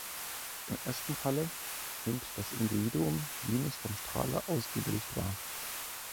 Im ersten Falle nimmt das „Individuum“ jenes vom Strahler ausgehende Licht wahr.